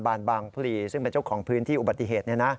บางพลีซึ่งเป็นเจ้าของพื้นที่อุบัติเหตุ